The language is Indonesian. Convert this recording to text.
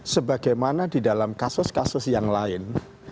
sebagaimana di dalam kasus kasus yang lain